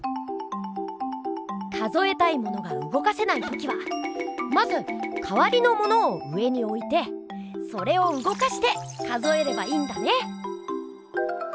数えたいものがうごかせない時はまずかわりのものを上においてそれをうごかして数えればいいんだね！